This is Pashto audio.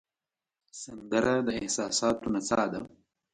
سندره د احساساتو نڅا ده